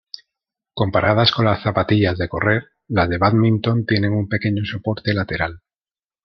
Comparadas con las zapatillas de correr, las de bádminton tienen un pequeño soporte lateral.